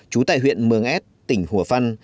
chú tại huyện mường ad tỉnh hùa phân